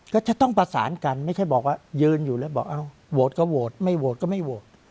ก็จะต้องประสานกันไม่ใช่บอกว่ายืนอยู่แล้วบอกโหวตก็โหวตไม่โหวตก็ไม่โหวต